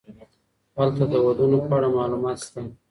هلته د ودونو په اړه معلومات سته.